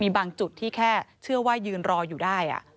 บางจุดที่แค่เชื่อว่ายืนรออยู่ได้